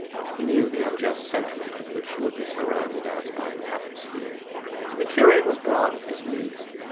He knew the unjust sentiment with which he would be surrounded as by an atmosphere. The curate was broad in his views.